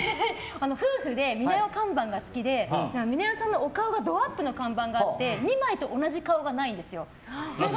夫婦で美奈代看板が好きで美奈代さんのお顔がドアップの看板があって２枚と同じ顔がないんですよ。